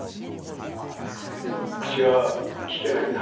口が利けないんだ。